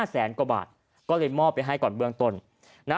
แสนกว่าบาทก็เลยมอบไปให้ก่อนเบื้องต้นนะ